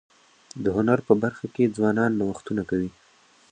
د هنر په برخه کي ځوانان نوښتونه کوي.